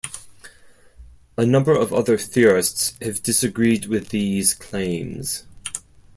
A number of other theorists have disagreed with these claims.